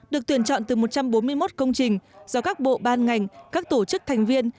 được tuyển chọn từ một trăm bốn mươi một công trình do các bộ ban ngành các tổ chức thành viên